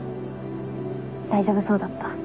大丈夫そうだった。